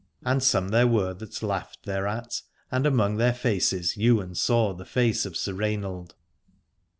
And some there were that laughed thereat, and among their faces Ywain saw the face of Sir Rainald.